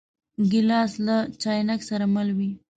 ګیلاس له چاینک سره مل وي.